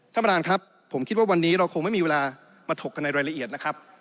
ท่านประธานครับผมคิดว่าวันนี้เราคงไม่มีเวลามาถกกันในรายละเอียดนะครับ